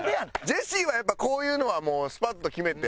ジェシーはやっぱりこういうのはもうスパッと決めて？